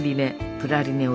プラリネを。